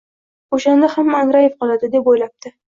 Oʻshanda hamma angrayib qoladi”, – deb oʻylabdi